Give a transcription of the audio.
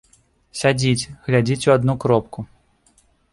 Сядзіць, глядзіць у адну кропку.